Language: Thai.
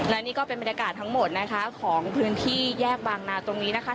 และนี่ก็เป็นบรรยากาศทั้งหมดนะคะของพื้นที่แยกบางนาตรงนี้นะคะ